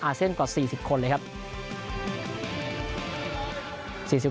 อาเซียนก็จะดีกว่า๔๐คนเลยครับ